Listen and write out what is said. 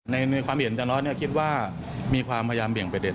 ในความเห็นอาจารย์น้อยคิดว่ามีความพยายามเบี่ยงประเด็